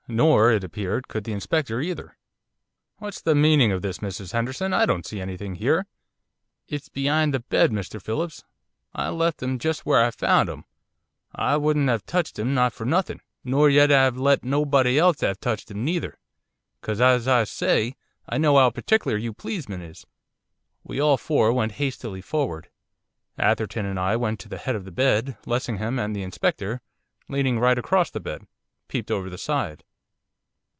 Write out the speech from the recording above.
Nor, it appeared, could the Inspector either. 'What's the meaning of this, Mrs Henderson? I don't see anything here.' 'It's be'ind the bed, Mr Phillips. I left 'im just where I found 'im, I wouldn't 'ave touched 'im not for nothing, nor yet 'ave let nobody else 'ave touched 'im neither, because, as I say, I know 'ow particular you pleesmen is.' We all four went hastily forward. Atherton and I went to the head of the bed, Lessingham and the Inspector, leaning right across the bed, peeped over the side.